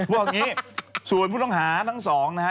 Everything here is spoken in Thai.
บอกอย่างนี้ส่วนผู้ต้องหาทั้งสองนะฮะ